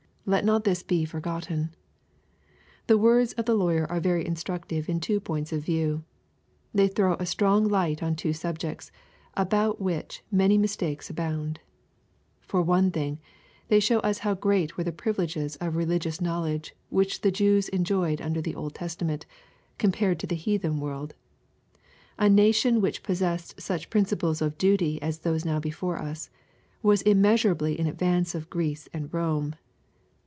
Let not this be forgotten. The words of the lawyer are very instruc tive in two points of view. They throw a strong light on two subjects, ^bout which many mistakes abound. For one thing, they show us how great were the privileges of religious know ledge whicU the Jews enjoyed under the Old Testament, compared to the heathen world. A nation which possessed such principles of duty as those now before us, was immeasurably in. advance of Greece and Bome.